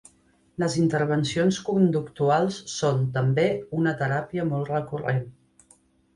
Les intervencions conductuals són, també, una teràpia molt recurrent.